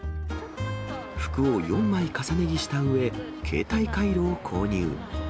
服を４枚重ね着したうえ、携帯カイロを購入。